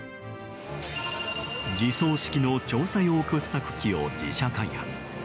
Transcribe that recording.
自走式の調査用掘削機を自社開発。